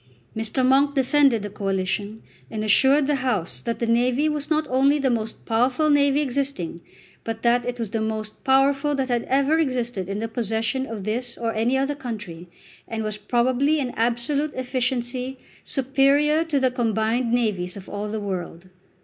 Mr. Monk defended the Coalition, and assured the House that the navy was not only the most powerful navy existing, but that it was the most powerful that ever had existed in the possession of this or any other country, and was probably in absolute efficiency superior to the combined navies of all the world.